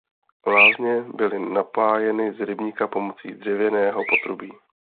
Lázně byly napájeny z rybníka pomocí dřevěného potrubí.